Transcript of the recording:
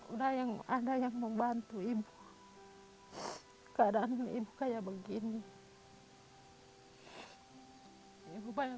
udah ada yang membantu ibu